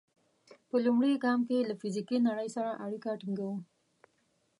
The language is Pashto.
په لومړي ګام کې له فزیکي نړۍ سره اړیکه ټینګوو.